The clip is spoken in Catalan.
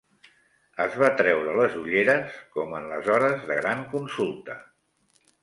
Es va treure les ulleres com en les hores de gran consulta